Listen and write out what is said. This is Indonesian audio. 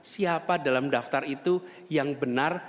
siapa dalam daftar itu yang benar